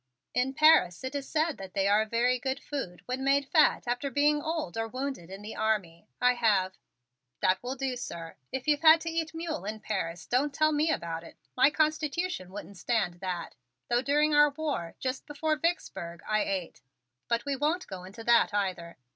In Paris it is said that they are a very good food when made fat after being old or wounded in the army. I have " "That will do, sir. If you've had to eat mule in Paris don't tell me about it. My constitution wouldn't stand that, though during our war, just before Vicksburg, I ate but we won't go into that either.